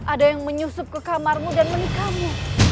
ada yang menyusup ke kamarmu dan menikahmu